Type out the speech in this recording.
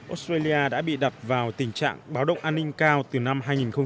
australia đã bị đặt vào tình trạng báo động an ninh cao từ năm hai nghìn một mươi bốn